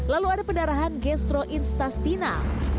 lalu ada pendarahan gestroinstastinal